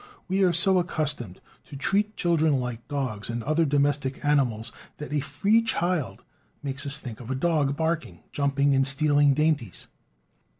We are so accustomed to; treat children like dogs and other domestic animals, that a "free child" makes us think of a dog, barking, jumping, and stealing dainties.